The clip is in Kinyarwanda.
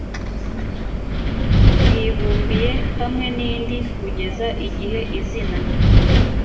yibumbiye hamwe n indi kugeza igihe izina